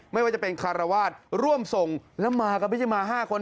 ไม่ว่าจะเป็นคารวาสร่วมส่งแล้วมาก็ไม่ใช่มา๕คน